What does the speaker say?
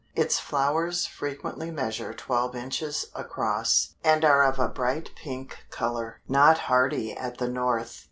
Its flowers frequently measure twelve inches across, and are of a bright pink color, not hardy at the North.